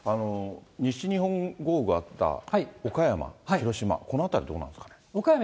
西日本豪雨があった岡山、広島、この辺りどうですかね。